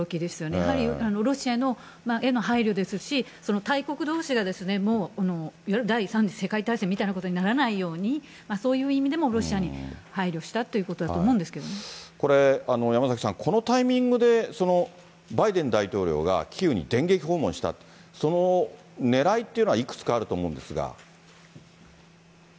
やはりロシアへの配慮ですし、大国どうしが第３次世界大戦みたいなことにならないように、そういう意味でもロシアに配慮したということだと思うんですけどこれ、山崎さん、このタイミングでバイデン大統領がキーウに電撃訪問した、そのねらいというのは、いくつかあると思うんですが。